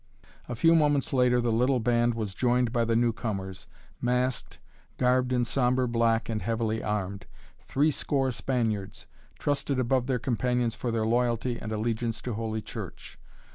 A few moments later the little band was joined by the newcomers, masked, garbed in sombre black and heavily armed, three score Spaniards, trusted above their companions for their loyalty and allegiance to Holy Church.